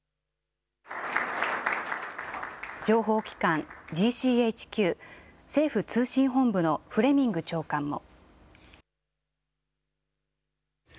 情報機関、ＧＣＨＱ・政府通信本部のフレミング長官も。